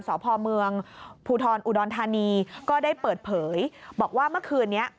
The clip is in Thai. สพเมืองภูทรอุดรธานีก็ได้เปิดเผยบอกว่าเมื่อคืนนี้